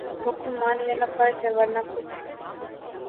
حکم مان لینا فرض ہے ورنہ کفر